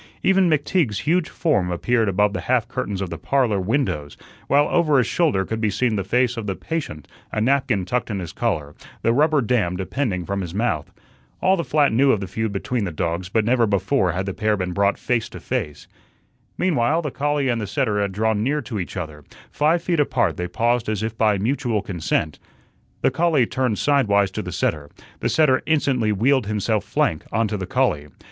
Even McTeague's huge form appeared above the half curtains of the "Parlor" windows, while over his shoulder could be seen the face of the "patient," a napkin tucked in his collar, the rubber dam depending from his mouth. All the flat knew of the feud between the dogs, but never before had the pair been brought face to face. Meanwhile, the collie and the setter had drawn near to each other; five feet apart they paused as if by mutual consent. The collie turned sidewise to the setter; the setter instantly wheeled himself flank on to the collie.